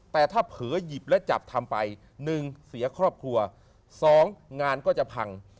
แต่ถ้าเผลอหยิบและจับทำไป๑เสียครอบครัว๒งานก็จะพัง